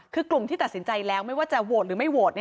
คือกลุ่มที่ตัดสินใจแล้วไม่ว่าจะโหวตหรือไม่โหวต